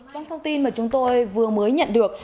những thông tin mà chúng tôi vừa mới nhận được